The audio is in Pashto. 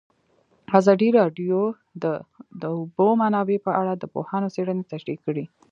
ازادي راډیو د د اوبو منابع په اړه د پوهانو څېړنې تشریح کړې.